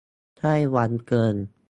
ใกล้วังเกิน